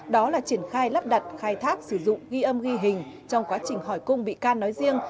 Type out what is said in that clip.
đó là triển khai lắp đặt khai thác sử dụng ghi âm ghi hình trong quá trình hỏi cung bị can nói riêng